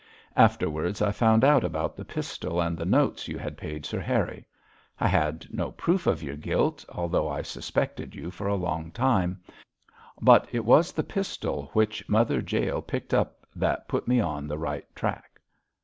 Afterwards I found out about the pistol and the notes you had paid Sir Harry. I had no proof of your guilt, although I suspected you for a long time; but it was the pistol which Mother Jael picked up that put me on the right track.'